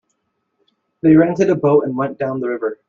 They rented a boat and went down the river.